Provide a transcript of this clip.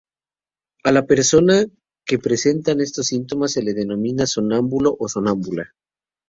A la persona que presenta estos síntomas se la denomina sonámbulo o sonámbula.